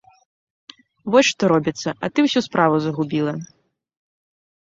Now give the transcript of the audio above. Вось што робіцца, а ты ўсю справу загубіла.